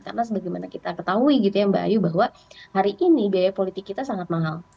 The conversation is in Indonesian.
karena sebagaimana kita ketahui gitu ya mbak ayu bahwa hari ini biaya politik kita sangat mahal